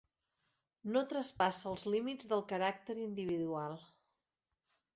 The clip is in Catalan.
No traspassa els límits del caràcter individual.